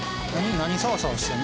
何さわさわしてんの？